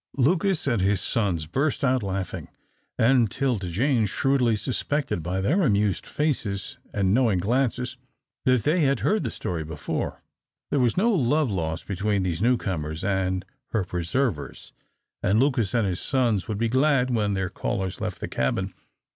Lucas and his sons burst out laughing, and 'Tilda Jane shrewdly suspected by their amused faces and knowing glances that they had heard the story before. There was no love lost between these newcomers and her preservers, and Lucas and his sons would be glad when their callers left the cabin.